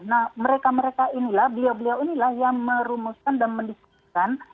nah mereka mereka inilah beliau beliau inilah yang merumuskan dan mendiskusikan